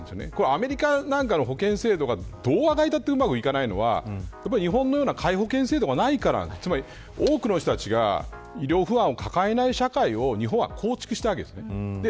アメリカなんかの保険制度がどうやったってうまくいかないのは日本のような皆保険制度がないから多くの人たちが日本医療不安を抱えない社会を日本は構築しました。